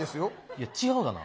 いや違うがな。